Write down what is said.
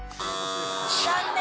残念。